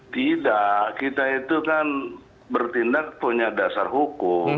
tidak kita itu kan bertindak punya dasar hukum